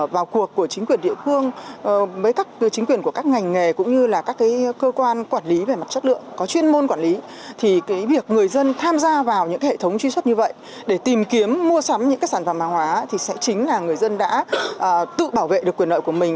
vào cuộc của chính quyền địa phương với các chính quyền của các ngành nghề cũng như là các cơ quan quản lý về mặt chất lượng có chuyên môn quản lý thì việc người dân tham gia vào những hệ thống truy xuất như vậy để tìm kiếm mua sắm những sản phẩm hàng hóa thì sẽ chính là người dân đã tự bảo vệ được quyền lợi của mình